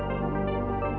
saya ingin muntah